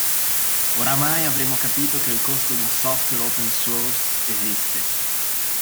Oramai avremo capito che il costo di un software open source esiste.